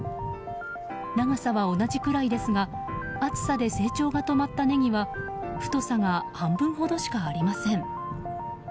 長さは同じくらいですが暑さで成長が止まったネギは太さが半分ほどしかありません。